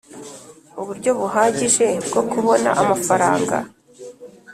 uburyo buhagije bwo kubona amafaranga